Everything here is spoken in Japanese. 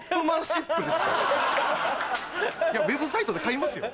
ウェブサイトで買いますよ。